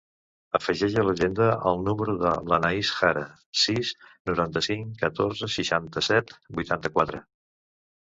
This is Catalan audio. Afegeix a l'agenda el número de l'Anaïs Jara: sis, noranta-cinc, catorze, seixanta-set, vuitanta-quatre.